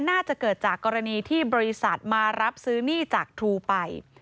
น่าจะเกิดจากกรณีที่บริษัทมารับซื้อหนี้จากทรูไป